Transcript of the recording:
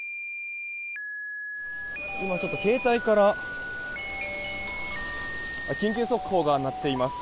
今、携帯から緊急速報が鳴っています。